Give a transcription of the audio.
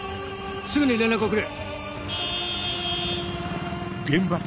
すぐに連絡をくれ。